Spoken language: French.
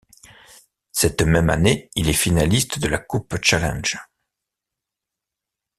Cette même année, il est finaliste de la Coupe Challenge.